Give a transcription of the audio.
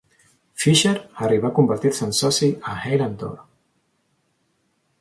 Fisher arribà a convertir-se en soci a Hale and Dorr.